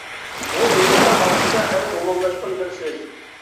بۇ ئۇيغۇرلار ئارىسىدا ئەڭ ئومۇملاشقان بىر سۆز.